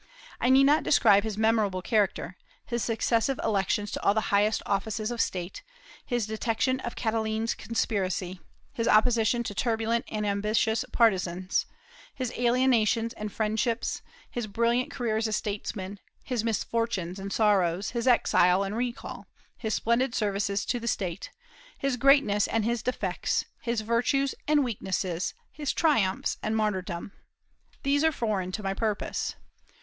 I need not describe his memorable career, his successive elections to all the highest offices of state, his detection of Catiline's conspiracy, his opposition to turbulent and ambitious partisans, his alienations and friendships, his brilliant career as a statesman, his misfortunes and sorrows, his exile and recall, his splendid services to the State, his greatness and his defects, his virtues and weaknesses, his triumphs and martyrdom. These are foreign to my purpose.